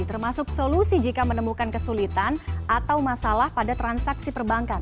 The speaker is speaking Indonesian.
termasuk solusi jika menemukan kesulitan atau masalah pada transaksi perbankan